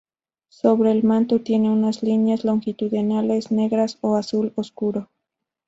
Sobre el manto tiene unas líneas longitudinales negras o azul oscuro.